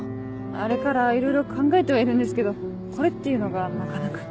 あれからいろいろ考えてはいるんですけどこれっていうのがなかなか。